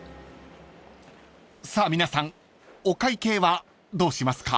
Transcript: ［さあ皆さんお会計はどうしますか？］